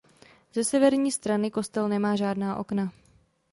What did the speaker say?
Ze severní strany kostel nemá žádná okna.